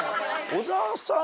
小澤さん